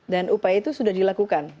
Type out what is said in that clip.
dan upaya itu sudah dilakukan